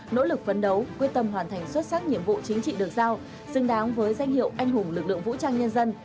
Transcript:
nỗ lực phấn đấu quyết tâm hoàn thành xuất sắc nhiệm vụ chính trị được giao xứng đáng với danh hiệu anh hùng lực lượng vũ trang nhân dân